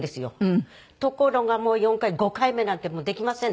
ところがもう４回５回目なんて「できません」